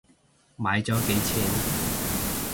買咗幾錢？